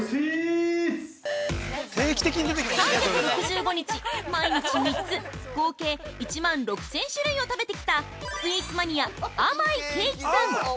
３６５日・毎日３つ合計１万６０００種類を食べてきたスイーツマニアあまいけいきさん！